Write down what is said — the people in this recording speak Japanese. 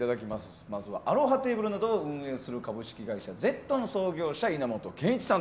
まずは、アロハテーブルなどを運営する株式会社ゼットン創業者稲本健一さん